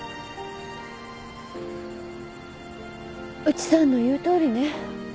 内さんの言うとおりね。